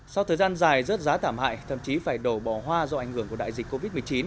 sau thời gian dài rớt giá tạm hại thậm chí phải đổ bỏ hoa do ảnh hưởng của đại dịch covid một mươi chín